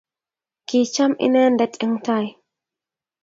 Kicham inendet eng tai